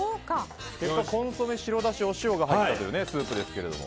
コンソメ、白だしお塩が入ったスープですけども。